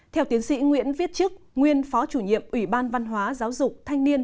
theo tiến sĩ nguyễn viết chức nguyên phó chủ nhiệm ủy ban văn hóa giáo dục thanh niên